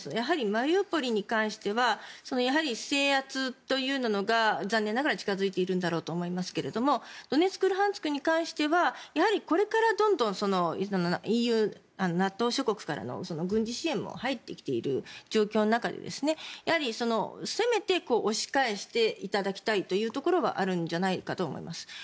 マリウポリに関しては制圧というのが残念ながら近付いているんだろうと思いますけどドネツク、ルハンスクに関してはこれからどんどんＮＡＴＯ諸国からの軍事支援も入ってきている状況の中でやはり攻めて押し返していただきたいというところはあるんじゃないかと思います。